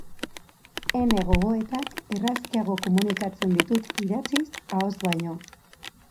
Ene gogoetak errazkiago komunikatzen ditut idatziz ahoz baino.